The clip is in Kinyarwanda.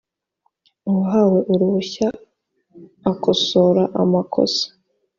uwahawe uruhushya akosora amakosa.